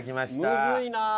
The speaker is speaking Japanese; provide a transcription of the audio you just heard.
むずいな。